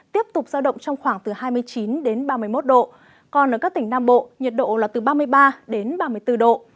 tiếp tục giao động trong khoảng từ hai mươi chín đến ba mươi một độ còn ở các tỉnh nam bộ nhiệt độ là từ ba mươi ba đến ba mươi bốn độ